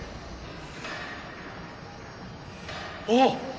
あっ！